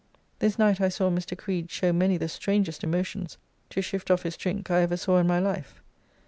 This night I saw Mr. Creed show many the strangest emotions to shift off his drink I ever saw in my life.